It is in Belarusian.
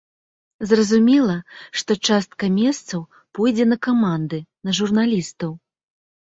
Зразумела, што частка месцаў пойдзе на каманды, на журналістаў.